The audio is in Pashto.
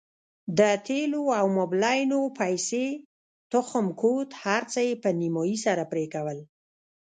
د تېلو او موبلينو پيسې تخم کود هرڅه يې په نيمايي سره پرې کول.